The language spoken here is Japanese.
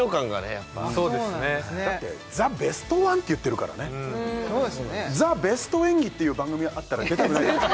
やっぱそうですねだって「ザ・ベストワン」って言ってるからね「ザ・ベスト演技」っていう番組があったら出たくないでしょ？